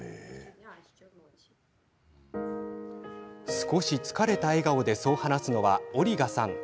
少し疲れた笑顔で、そう話すのはオリガさん。